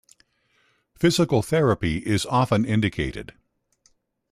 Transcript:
Physical therapy is often indicated.